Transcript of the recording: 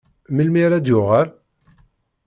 Melmi ara d-yuɣal?